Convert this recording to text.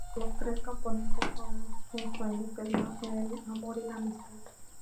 Los tres componentes son: sueños, el amor y la amistad.